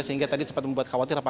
sehingga tadi sempat membuat khawatir